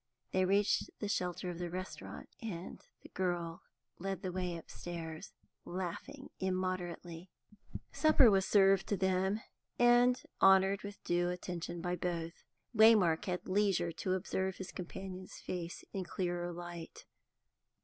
They reached the shelter of the restaurant, and the girl led the way upstairs, laughing immoderately. Supper was served to them, and honoured with due attention by both. Waymark had leisure to observe his companion's face in clearer light.